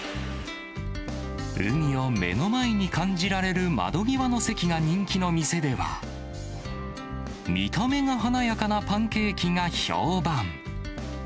海を目の前に感じられる窓際の席が人気の店では、見た目が華やかなパンケーキが評判。